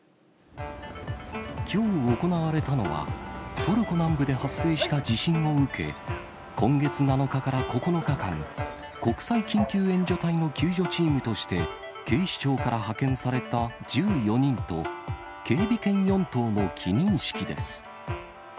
きょう行われたのは、トルコ南部で発生した地震を受け、今月７日から９日間、国際緊急援助隊の救助チームとして、警視庁から派遣された１４人と、警備犬４頭の帰任式です。